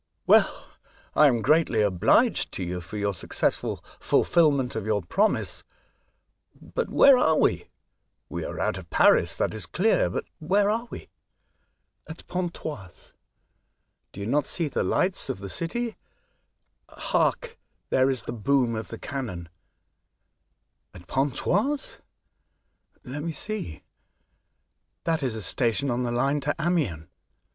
''" Well, I am greatly obliged to you for your successful fulfilment of your promise. But where are we ? We are out of Paris, that ia clear ; but where are we ?"At Pontoise. Do you not see the lights of c 2 20 A Voyage to Other Worlds. the city ? Hark ! there is the boom of the cannon !"" At Pontoise ? Let me see ; that is a station on the line to Amiens.